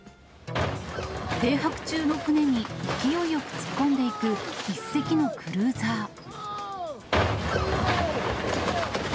停泊中の船に勢いよく突っ込んでいく１隻のクルーザー。